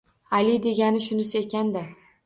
Ali degani shunisi ekan-da